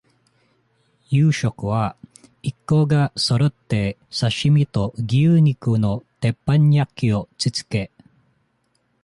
夕食は、一行がそろって、刺身と、牛肉の鉄板焼きをつつく。